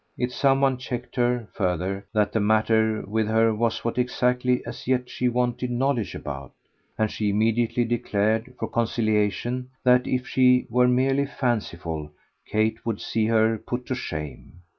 It somewhat checked her, further, that the matter with her was what exactly as yet she wanted knowledge about; and she immediately declared, for conciliation, that if she were merely fanciful Kate would see her put to shame.